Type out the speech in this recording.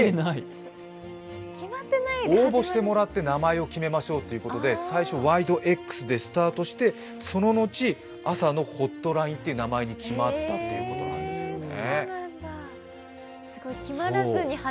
応募してもらって名前を決めましょうということで最初「ワイドＸ」でスタートしてその後、「朝のホットライン」って名前に決まったんですね。